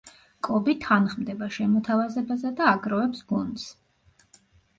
კობი თანხმდება შემოთავაზებაზე და აგროვებს გუნდს.